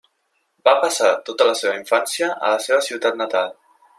Va passar tota la seva infància a la seva ciutat natal.